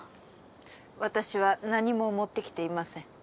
私は何も持ってきていません。